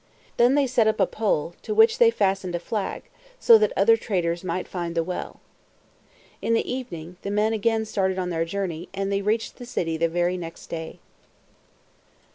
Then they set up a pole, to which they fastened a flag, so that other traders might find the well. In the evening, the men again started on their journey, and they reached the city the very next day.